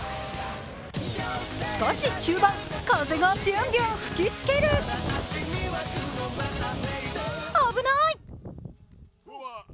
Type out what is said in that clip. しかし中盤、風がびゅんびゅん吹きつける、危ない。